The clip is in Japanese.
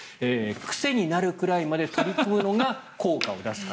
癖になるくらいまで取り組むのが効果を出す鍵。